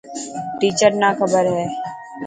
ٽيچر نا خبر هي.